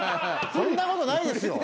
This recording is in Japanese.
そんなことないですよ。